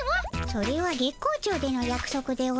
それは月光町でのやくそくでおじゃる。